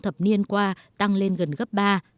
thập niên qua tăng lên gần gấp ba